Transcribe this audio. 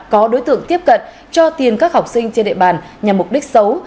có đối tượng tiếp cận cho tiền các học sinh trên địa bàn nhằm mục đích xấu